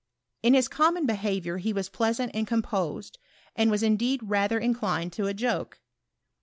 In his common befaarioiir he was pleasant and composed, and was indeed radier in clined to a joke.